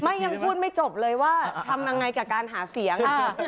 ยังพูดไม่จบเลยว่าทำยังไงกับการหาเสียง